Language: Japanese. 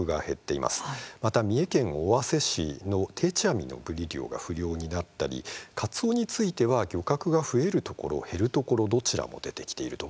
また、三重県尾鷲市の定置網のブリ漁が不漁になったりカツオについては漁獲が増えるところ減るところどちらも出てきていると。